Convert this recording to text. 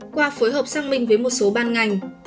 qua phối hợp xác minh với một số ban ngành